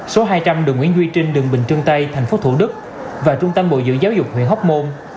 số hai trăm linh đường nguyễn duy trinh đường bình trương tây tp thủ đức và trung tâm bộ dự giáo dục huyện hóc môn